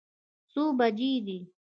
څو بجې دي.